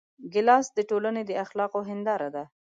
ګیلاس د ټولنې د اخلاقو هنداره ده.